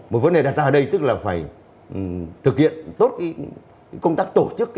một vấn đề đặt ra ở đây tức là phải thực hiện tốt công tác tổ chức